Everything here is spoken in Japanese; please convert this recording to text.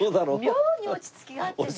妙に落ち着きがあってね。